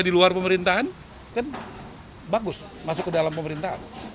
di luar pemerintahan kan bagus masuk ke dalam pemerintahan